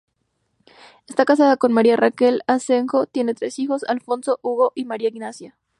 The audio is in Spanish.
Está casado con María Raquel Asenjo, tiene tres hijos: Alfonso, Hugo y María Ignacia.